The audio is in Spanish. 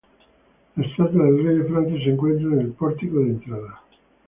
La estatua del rey de Francia se encuentra en el pórtico de entrada.